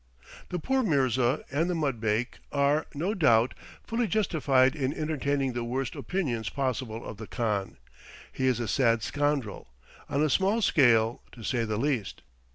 The poor mirza and the mudbake are, no doubt, fully justified in entertaining the worst opinions possible of the khan; he is a sad scoundrel, on a small scale, to say the least.